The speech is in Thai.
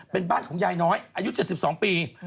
เป็นบ้านของยายน้อยอายุ๗๒ปี